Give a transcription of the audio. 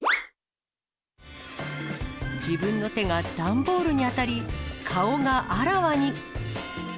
自分の手が段ボールに当たり、顔があらわに。